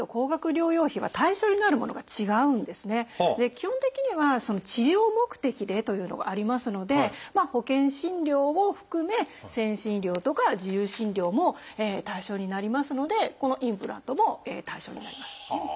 基本的には「治療目的で」というのがありますので保険診療を含め先進医療とか自由診療も対象になりますのでこのインプラントも対象になります。